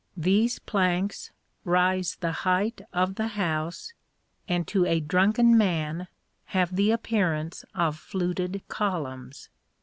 These planks rise the height of the house, and to a drunken man have the appearance of fluted columns.